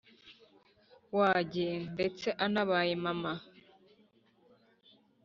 wajye ndetse anabaye mama